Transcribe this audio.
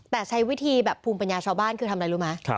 แต่ใช้วิธีแบบภูมิปัญญาชาวบ้านคือทำอะไรรู้ไหม